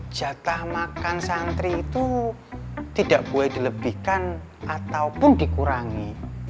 jatah makan santri itu tidak boleh dilebihkan ataupun dikurangi